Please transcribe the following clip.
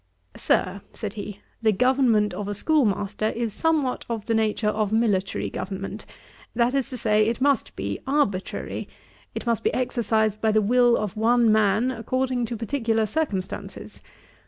'Sir, (said he,) the government of a schoolmaster is somewhat of the nature of military government; that is to say, it must be arbitrary, it must be exercised by the will of one man, according to particular circumstances.